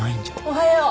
おはよう